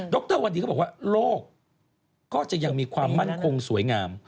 รวันนี้เขาบอกว่าโลกก็จะยังมีความมั่นคงสวยงาม